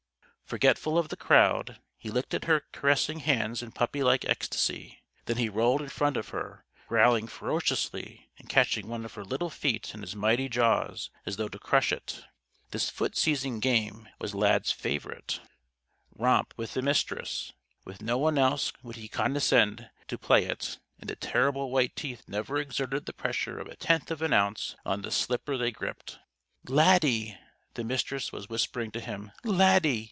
Forgetful of the crowd, he licked at her caressing hands in puppylike ecstasy; then he rolled in front of her; growling ferociously and catching one of her little feet in his mighty jaws, as though to crush it. This foot seizing game was Lad's favorite romp with the Mistress. With no one else would he condescend to play it, and the terrible white teeth never exerted the pressure of a tenth of an ounce on the slipper they gripped. "Laddie!" the Mistress was whispering to him, "_Laddie!